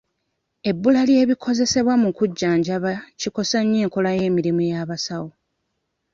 Ebbula ly'ebikozesebwa mu kujjanjaba kikosa nnyo enkola y'emirimu y'abasawo.